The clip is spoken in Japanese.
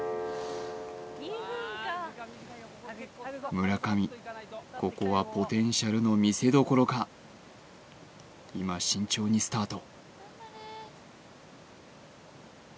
村上ここはポテンシャルの見せどころか今慎重にスタート